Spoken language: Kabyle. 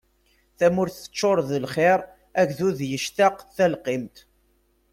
Tamurt teččur d lxiṛ agdud yectaq talqimt.